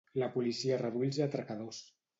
La policia reduí els atracadors.